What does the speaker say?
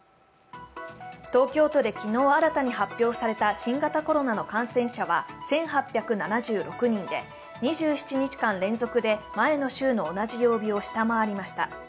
東京都で昨日新たに発表された新型コロナの感染者は１８７６人で２７日間連続で前の週の同じ曜日を下回りました。